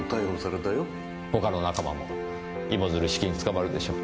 他の仲間も芋づる式に捕まるでしょう。